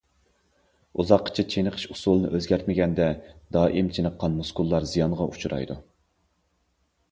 ئۇزاققىچە چېنىقىش ئۇسۇلىنى ئۆزگەرتمىگەندە، دائىم چېنىققان مۇسكۇللار زىيانغا ئۇچرايدۇ.